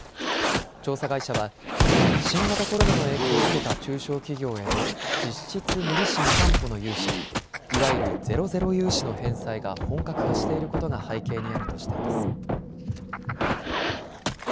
調査会社は新型コロナの影響を受けた中小企業への実質無利子・無担保の融資、いわゆるゼロゼロ融資の返済が本格化していることが背景にあるとしています。